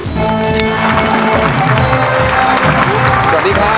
สวัสดีค่ะ